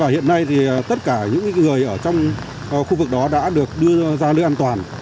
hiện nay tất cả những người ở trong khu vực đó đã được đưa ra lưới an toàn